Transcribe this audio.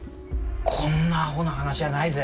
こんなアホな話はないぜ。